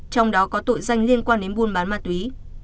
trong đó có tội danh liên quan đến buôn bán ma túy